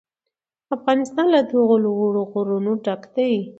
افغانستان له دغو لوړو غرونو ډک دی.